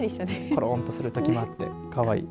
ころんとするときもあってかわいい。